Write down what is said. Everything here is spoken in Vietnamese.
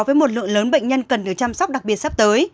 với một lượng lớn bệnh nhân cần được chăm sóc đặc biệt sắp tới